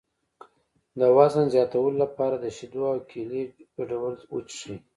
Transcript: د وزن زیاتولو لپاره د شیدو او کیلې ګډول وڅښئ